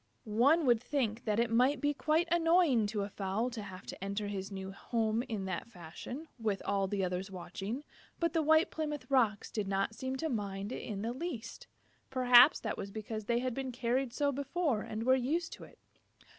One would think that it might be quite annoying to a fowl to have to enter his new home in that fashion, with all the others watching, but the White Plymouth Rocks did not seem to mind it in the least. Perhaps that was because they had been carried so before and were used to it.